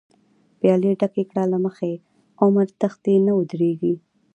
پيالی ډکې کړه له مخی، عمر تښتی نه ودريږی